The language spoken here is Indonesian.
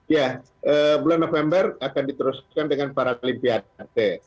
ya bulan november akan diteruskan dengan paralimpiade